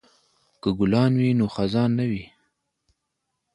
که ګلان وي نو خزان نه وي.